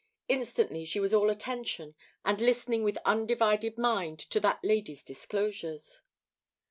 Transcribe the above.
Instantly, she was all attention and listening with undivided mind to that lady's disclosures.